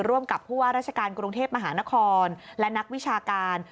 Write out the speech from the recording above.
ร่วมกับผู้ว่าราชการกรุงเทพมหานครและนักวิชาการ